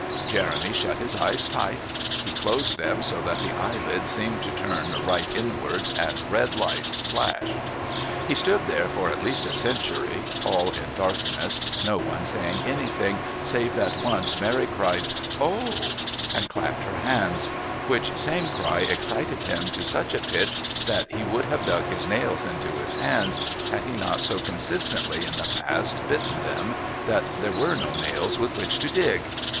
Jeremy shut his eyes tight. He closed them so that the eyelids seemed to turn right inwards and red lights flashed. He stood there for at least a century, all in darkness, no one saying anything save that once Mary cried "Oh!" and clapped her hands, which same cry excited him to such a pitch that he would have dug his nails into his hands had he not so consistently in the past bitten them that there were no nails with which to dig.